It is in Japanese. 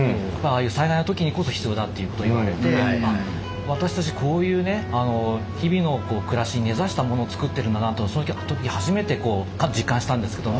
災害の時にこそ必要だって言われて私たちこういうね日々の暮らしに根ざしたものを作ってるんだなってその時初めて実感したんですけども。